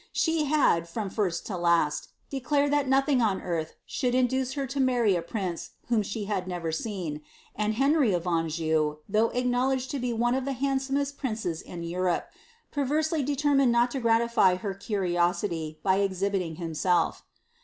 She had, from first to last, declared that nothing on earth should induce her to marry a prince whom she had never seen ; and Henry of Anjou, though acknowledged to be one of the handsomest princes in Europe, perversely determined not to gratify her curiosity by exhibiting himself.